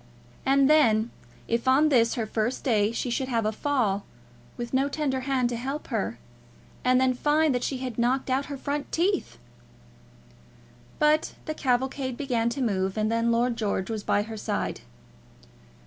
And then, if on this her first day she should have a fall, with no tender hand to help her, and then find that she had knocked out her front teeth! But the cavalcade began to move, and then Lord George was by her side.